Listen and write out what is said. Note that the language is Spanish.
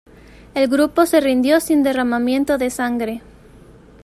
El grupo se rindió sin derramamiento de sangre.